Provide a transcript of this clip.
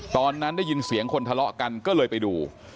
ตอนนั้นได้ยินเสียงคนทะเลาะกันก็เลยไปดู